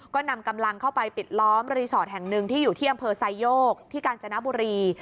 ก็นำกำลังเข้าไปปิดล้อมรีสอร์ทแห่งหนึ่งที่อยู่ที่อำเภอไซโยกที่กาญจนบุรี